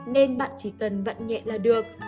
nên bạn chỉ cần vặn nhẹ là được